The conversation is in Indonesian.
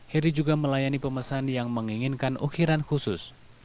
heri juga melayani pemesan yang menginginkan ukiran khusus